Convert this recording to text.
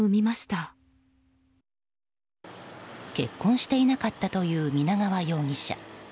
結婚していなかったという皆川容疑者。